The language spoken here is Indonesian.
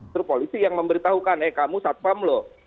terus polisi yang memberitahukan eh kamu satpam loh